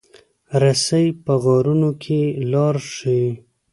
رسۍ په غارونو کې لار ښيي.